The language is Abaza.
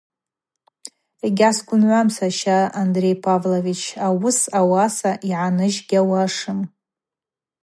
Йгьгӏасгвынгӏвуам, саща… –Андрей Павлович, ауыс ауаса йгӏаныжь йгьауашым.